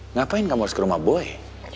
ngapain kamu harus ke rumah boy